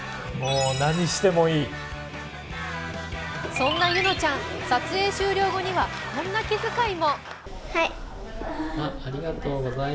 そんな柚乃ちゃん、撮影終了後にはこんな気遣いも。